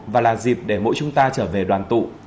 và là dịp để mỗi chúng ta trở về đoàn tụ